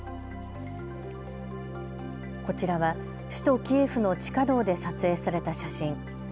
こちらは首都キエフの地下道で撮影された写真。